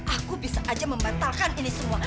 aku bisa aja membatalkan ini semua